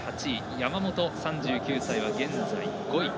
山本、３９歳は現在５位。